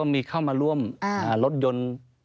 มีเข้ามาร่วมรถยนต์